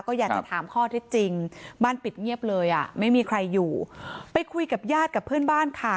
ก็อยากจะถามข้อเท็จจริงบ้านปิดเงียบเลยอ่ะไม่มีใครอยู่ไปคุยกับญาติกับเพื่อนบ้านค่ะ